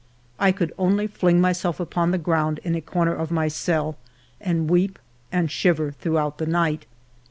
I could only fling myself upon the ground in a corner of my cell and weep and shiver throughout the night.